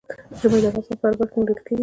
ژمی د افغانستان په هره برخه کې موندل کېږي.